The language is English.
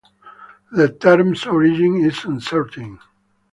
The term's origin is uncertain.